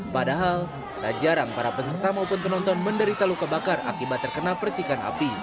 padahal tak jarang para peserta maupun penonton menderita luka bakar akibat terkena percikan api